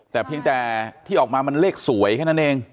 แต่เพียงแต่ที่ออกมามันเลขสวยแค่นั้นเอง